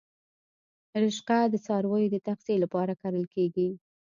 رشقه د څارویو د تغذیې لپاره کرل کیږي